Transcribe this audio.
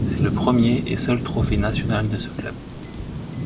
C'est le premier et seul trophée national de ce club.